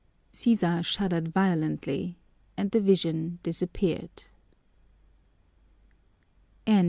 Sisa shuddered violently and the vision disappeared.